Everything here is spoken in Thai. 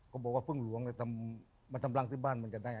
บอกว่าพึ่งหลวงเลยมาทำรังที่บ้านมันจะได้